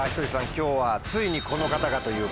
今日はついにこの方がというか。